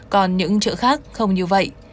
còn những chợ khác không như vậy